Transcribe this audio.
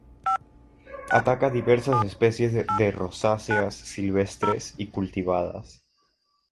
Ataca a diversas especies de rosáceas silvestres y cultivadas.